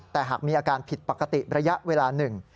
แต่หากมีอาการผิดปกติระยะเวลาหนึ่ง